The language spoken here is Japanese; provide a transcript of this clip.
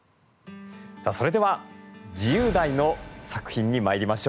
それでは自由題の作品にまいりましょう。